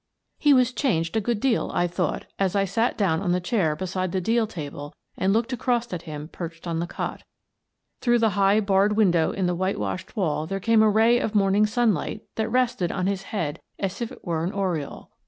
He was changed a good deal, I thought, as I sat down on the chair beside the deal table and looked across at him perched on the cot Through the high barred window in the whitewashed wall there came a ray of morning sunlight that rested on his head as if it were an aureole.